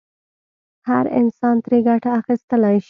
هر انسان ترې ګټه اخیستلای شي.